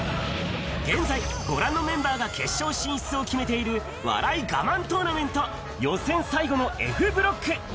現在、ご覧のメンバーが決勝進出を決めている笑いガマントーナメント、予選最後のＦブロック。